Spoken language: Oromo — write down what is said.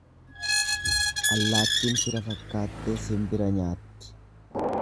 Allaattin fira fakkaattee simbira nyaatti.